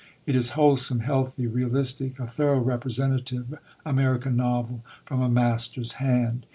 It is wholesome, healthy, realistic; a thoroughly representative American novel from a master's hand.